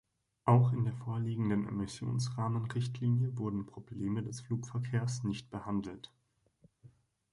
Auch in der vorliegenden Emissionsrahmenrichtlinie wurden Probleme des Flugverkehrs nicht behandelt.